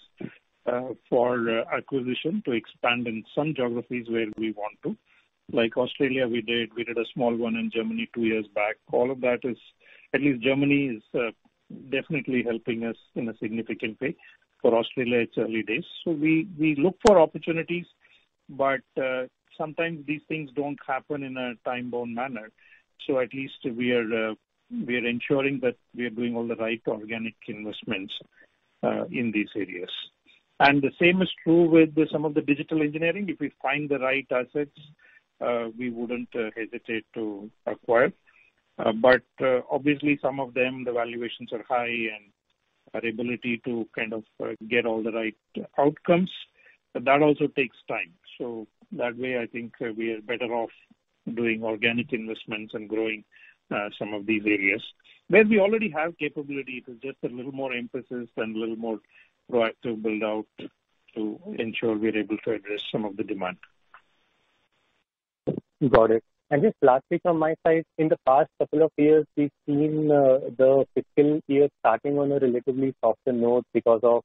for acquisition to expand in some geographies where we want to. Like Australia, we did. We did a small one in Germany two years back. At least Germany is definitely helping us in a significant way. For Australia, it's early days. We look for opportunities, but sometimes these things don't happen in a time-bound manner. At least we are ensuring that we are doing all the right organic investments in these areas. The same is true with some of the digital engineering. If we find the right assets, we wouldn't hesitate to acquire. Obviously some of them, the valuations are high, and our ability to kind of get all the right outcomes, that also takes time. That way, I think we are better off doing organic investments and growing some of these areas. Where we already have capability, it is just a little more emphasis and a little more proactive build-out to ensure we're able to address some of the demand. Got it. Just lastly from my side, in the past couple of years, we've seen the fiscal year starting on a relatively softer note because of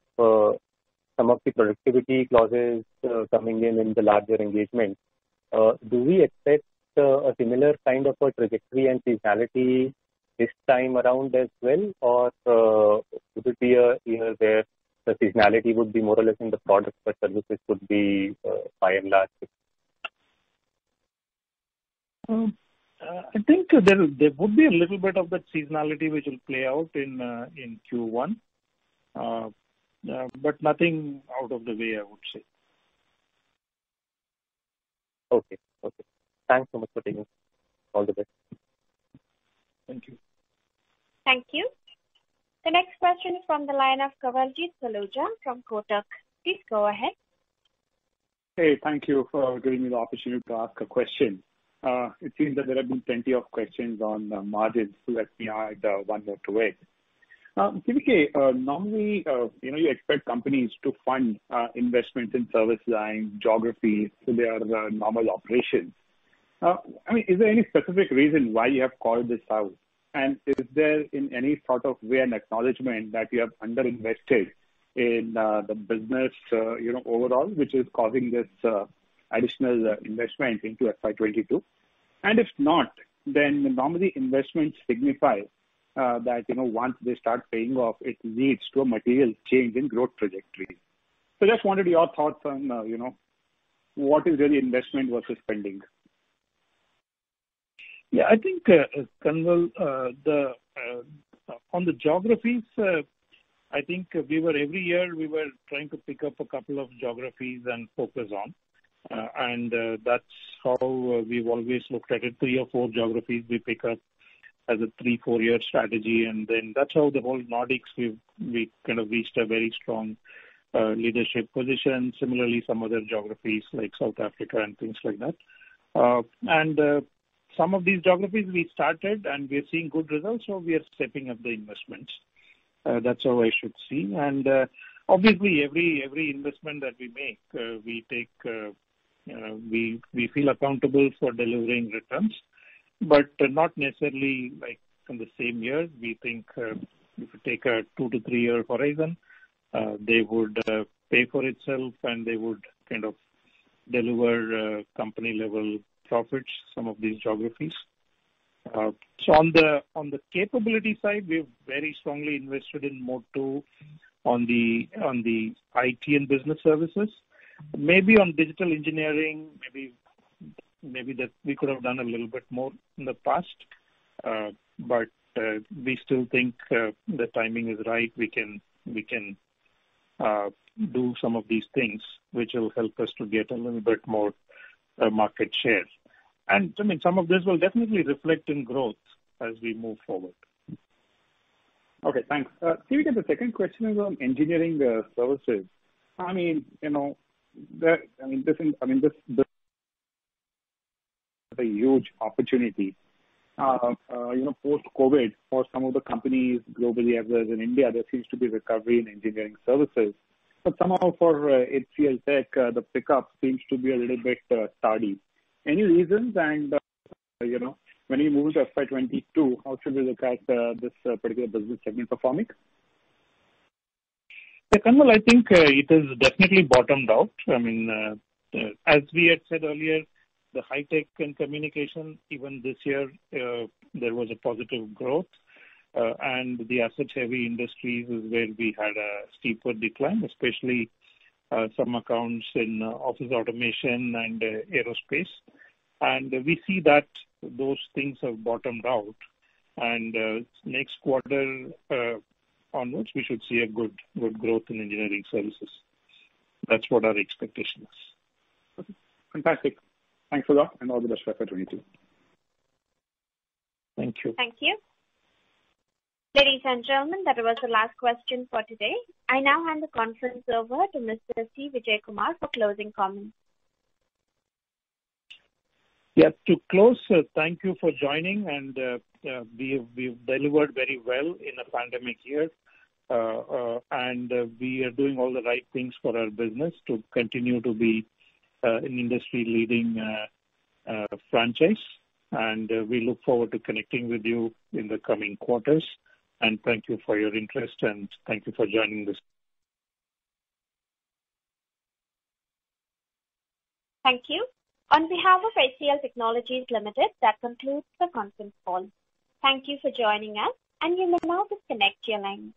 some of the productivity clauses coming in in the larger engagement. Do we expect a similar kind of a trajectory and seasonality this time around as well? Could it be a year where the seasonality would be more or less in the products but services could be by and large? I think there would be a little bit of that seasonality which will play out in Q1. Nothing out of the way, I would say. Okay. Thanks so much for taking this. All the best. Thank you. Thank you. The next question is from the line of Kawaljeet Saluja from Kotak. Please go ahead. Hey, thank you for giving me the opportunity to ask a question. It seems that there have been plenty of questions on margins so let me add one or two ways. CVK, normally you expect companies to fund investments in service lines, geographies through their normal operations. Is there any specific reason why you have called this out? Is there in any sort of way an acknowledgment that you have under-invested in the business overall, which is causing this additional investment into FY 2022? If not, normally investments signify that once they start paying off, it leads to a material change in growth trajectory. Just wanted your thoughts on what is really investment versus spending. Yeah. I think, Kawal, on the geographies, I think every year we were trying to pick up a couple of geographies and focus on. That's how we've always looked at it. Three or four geographies we pick up as a three, four-year strategy, that's how the whole Nordics we've kind of reached a very strong leadership position. Similarly, some other geographies like South Africa and things like that. Some of these geographies we started and we are seeing good results, so we are stepping up the investments. That's how I should see. Obviously, every investment that we make, we feel accountable for delivering returns, but not necessarily from the same year. We think if you take a two-three year horizon, they would pay for itself and they would kind of deliver company-level profits, some of these geographies. On the capability side, we've very strongly invested in Mode 2 on the IT and Business Services. Maybe on digital engineering, maybe we could have done a little bit more in the past. We still think the timing is right. We can do some of these things, which will help us to get a little bit more market share. Some of this will definitely reflect in growth as we move forward. Okay, thanks. CVK, the second question is on engineering services. This is a huge opportunity. Post-COVID, for some of the companies globally as well as in India, there seems to be recovery in engineering services. Somehow for HCL Tech, the pickup seems to be a little bit sturdy. Any reasons? When we move to FY 2022, how should we look at this particular business segment performing? Yeah, Kawal, I think it has definitely bottomed out. As we had said earlier, the high tech and communication, even this year, there was a positive growth. The asset-heavy industries is where we had a steeper decline, especially some accounts in office automation and aerospace. We see that those things have bottomed out. Next quarter onwards, we should see a good growth in engineering services. That's what our expectation is. Okay. Fantastic. Thanks a lot, and all the best for FY 2022. Thank you. Thank you. Ladies and gentlemen, that was the last question for today. I now hand the conference over to Mr. C. Vijayakumar for closing comments. To close, thank you for joining. We've delivered very well in a pandemic year. We are doing all the right things for our business to continue to be an industry-leading franchise. We look forward to connecting with you in the coming quarters. Thank you for your interest, and thank you for joining this. Thank you. On behalf of HCL Technologies Limited, that concludes the conference call. Thank you for joining us, you may now disconnect your lines.